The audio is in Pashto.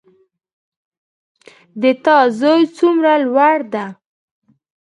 د تا زوی څومره لوړ ده